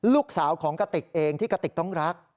ลูกสาวของกติกเองที่กระติกต้องรัก